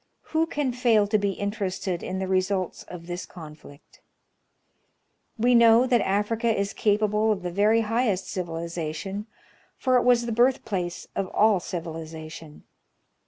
Who can fail to be interested in the results of this conflict ? We know that Africa is capable of the very highest civilization, for it was the birth place of all civilization.